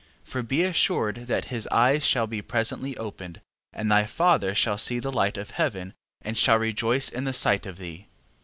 For be assured that his eyes shall be presently opened, and thy father shall see the light of heaven, and shall rejoice in the sight of thee.